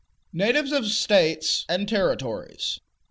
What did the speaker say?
Natives of States and Territories.